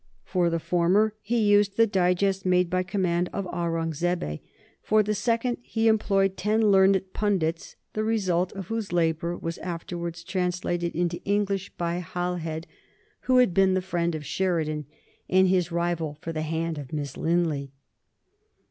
For the former he used the digest made by command of Aurungzebe; for the second he employed ten learned Pundits, the result of whose labors was afterwards translated into English by Halhed, who had been the friend of Sheridan and his rival for the hand of Miss Linley.